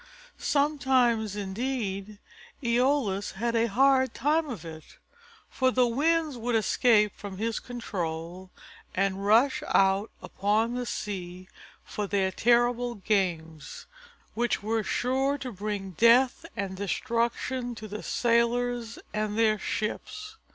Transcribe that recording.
Sometimes, indeed, Æolus had a hard time of it; for the Winds would escape from his control and rush out upon the sea for their terrible games, which were sure to bring death and destruction to the sailors and their ships.